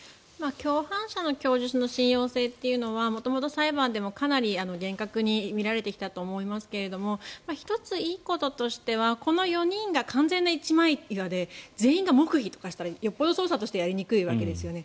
共犯者の供述の信用性というのは元々、裁判でもかなり厳格に見られてきたと思いますけど１つ、いいこととしてはこの４人が完全に一枚岩で全員が黙秘したら捜査もやりづらいわけですよね。